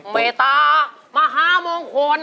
เมตตามหามงคุณ